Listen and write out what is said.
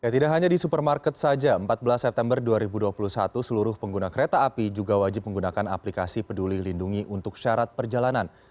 tidak hanya di supermarket saja empat belas september dua ribu dua puluh satu seluruh pengguna kereta api juga wajib menggunakan aplikasi peduli lindungi untuk syarat perjalanan